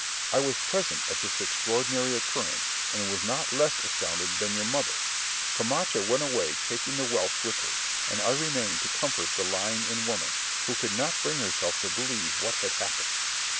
I was present at this extraordinary occurrence, and was not less astounded than your mother. Camacha went away taking the whelps with her, and I remained to comfort the lying in woman, who could not bring herself to believe what had happened.